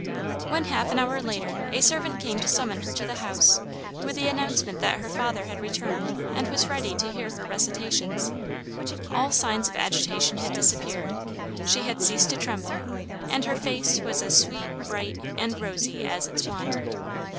When, half an hour later, a servant came to summon her to the house, with the announcement that her father had returned and was ready to hear her recitations, all signs of agitation had disappeared; she had ceased to tremble, and her fair face was as sweet, bright, and rosy as its wont.